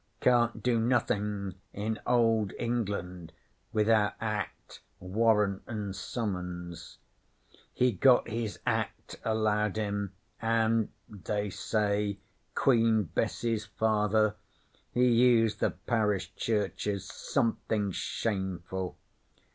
Can't do nothing in Old England without Act, Warrant an' Summons. He got his Act allowed him, an', they say, Queen Bess's father he used the parish churches something shameful.